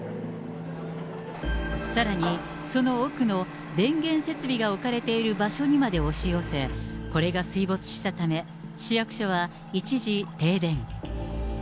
さらに、その奥の電源設備が置かれている場所にまで押し寄せ、これが水没したため、市役所は一時、停電。